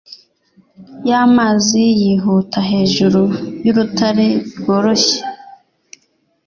y'amazi yihuta hejuru y'urutare rworoshye